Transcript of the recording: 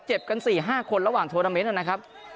เจ็บกันสี่ห้าคนระหว่างโทรเตอร์เมนต์แล้วกันนะครับ